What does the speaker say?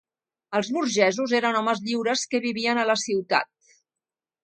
Els burgesos eren homes lliures que vivien a la ciutat.